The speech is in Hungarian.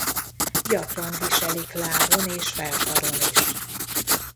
Gyakran viselik lábon és felkaron is.